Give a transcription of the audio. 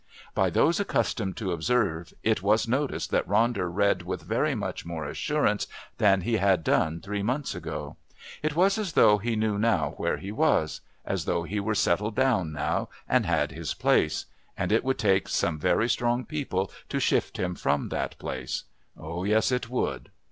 By those accustomed to observe it was noticed that Ronder read with very much more assurance than he had done three months ago. It was as though he knew now where he was, as though he were settled down now and had his place and it would take some very strong people to shift him from that place. Oh, yes. It would!